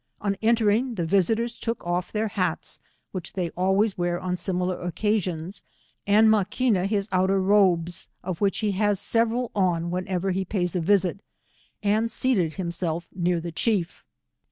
On entering, the visitors took of their hats, which they always wear on similar oc casions, and Maquina his outer robes, of which he has several on whenever he pays a visit, and seated himself near the chief.